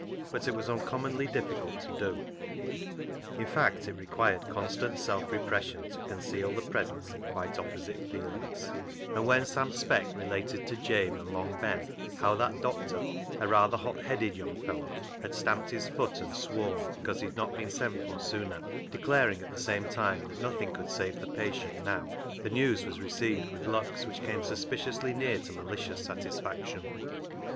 But it was uncommonly diffi cult to do — in fact, it required constant self repression to conceal the presence of quite opposite feelings ; and when Sam Speck related to Jabe and Long Ben how that the doctor — a rather hot headed young fellow — had stamped his foot and sworn because he had not been sent for sooner, declaring at the same time that nothing could save the patient now, the news was received with looks which came suspiciously near to malicious satisfaction.